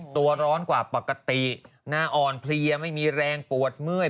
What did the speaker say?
ตัวร้อนกว่าปกติหน้าอ่อนเพลียไม่มีแรงปวดเมื่อย